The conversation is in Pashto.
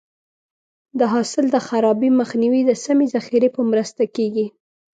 د حاصل د خرابي مخنیوی د سمې ذخیرې په مرسته کېږي.